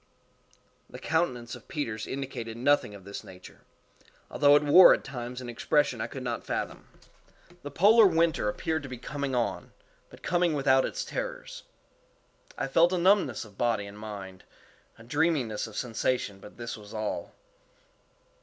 The countenance of Peters indicated nothing of this nature, although it wore at times an expression I could not fathom. The polar winter appeared to be coming on—but coming without its terrors. I felt a numbness of body and mind—a dreaminess of sensation but this was all.